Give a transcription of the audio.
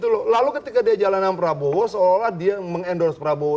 lalu ketika dia jalanan dengan prabowo seolah olah dia meng endorse prabowo